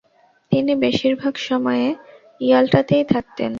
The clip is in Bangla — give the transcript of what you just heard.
তিনি বেশিরভাগ সময়ে ইয়াল্টাতেই থাকতেন।